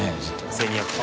１２００。